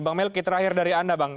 bang melki terakhir dari anda bang